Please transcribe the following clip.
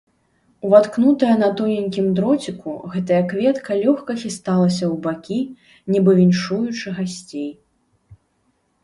Уваткнутая на тоненькім дроціку, гэтая кветка лёгка хісталася ў бакі, нібы віншуючы гасцей.